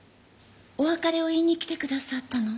お別れを言いに来てくださったの？